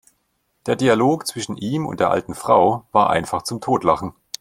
Der Dialog zwischen ihm und der alten Frau war einfach zum Totlachen!